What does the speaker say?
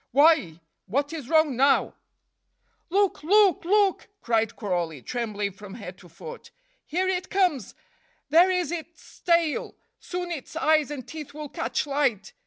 "Why, what is wrong now?" "Look! look! look!" cried Crawley, trembling from head to foot. "Here it comes! there is its tail! Soon its eyes and teeth will catch light!